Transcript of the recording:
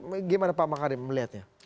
bagaimana pak makarim melihatnya